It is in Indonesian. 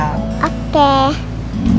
terima kasih banyak